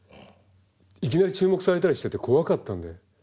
いきなり注目されたりしてて怖かったんで。